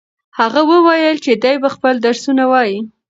هغه وویل چې دی به خپل درسونه وايي.